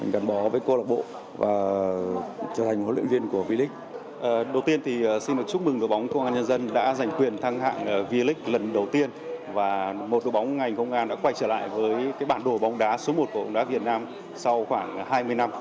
câu lạc bộ bóng đá việt nam đã quay trở lại với bản đồ bóng đá số một của bóng đá việt nam sau khoảng hai mươi năm